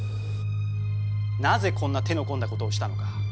なぜこんな手の込んだ事をしたのか。